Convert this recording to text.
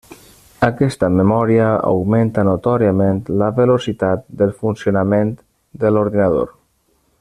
Aquesta memòria augmenta notòriament la velocitat de funcionament de l'ordinador.